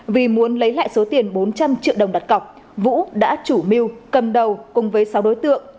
vì muốn lấy lại số tiền bốn trăm linh triệu đồng đặt cọc vũ đã chủ mưu cầm đầu cùng với sáu đối tượng